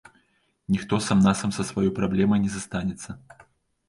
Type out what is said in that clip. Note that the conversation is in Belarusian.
Ніхто сам-насам са сваёй праблемай не застанецца.